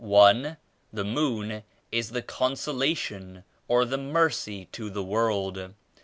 One, the 'Moon' is the consolation or the mercy to the world.